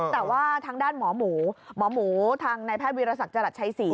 แต่ว่าทางด้านหมอหมูหมอหมูทางนายแพทย์วิรสักจรัสชัยศรี